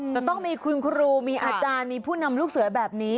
จะต้องมีคุณครูมีอาจารย์มีผู้นำลูกเสือแบบนี้